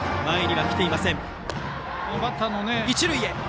一塁へ。